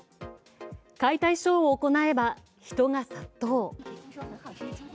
解体ショーを行えば人が殺到。